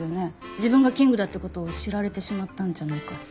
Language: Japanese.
自分がキングだって事を知られてしまったんじゃないかって。